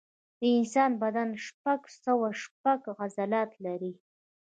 د انسان بدن شپږ سوه شپږ عضلات لري.